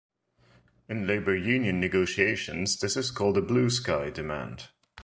In labor union negotiations, this is called a Blue Sky demand.